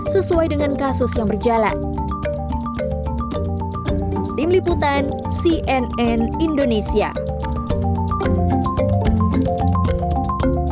bahwa hakim dan hakim konstitusi harus mengikuti dan memahami nilai nilai hukum dan rasa keadilan yang hidup dalam masyarakat